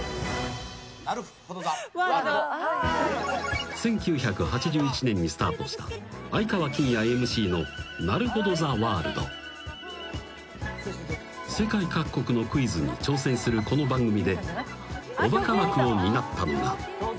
「『なるほど！ザ・ワールド』」［１９８１年にスタートした愛川欽也ＭＣの］［世界各国のクイズに挑戦するこの番組でおバカ枠を担ったのが］